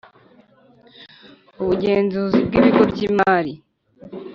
ubugenzuzi bw ibigo by imari